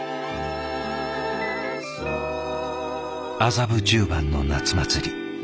麻布十番の夏祭り。